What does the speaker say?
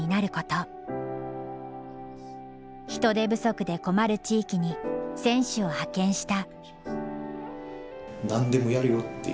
人手不足で困る地域に選手を派遣した。